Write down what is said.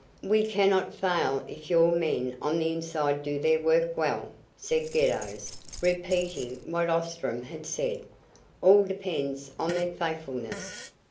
"We cannot fail if your men on the inside do their work well," said Geddos, repeating what Ostrom had said. "All depends on their faithfulness."